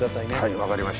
分かりました。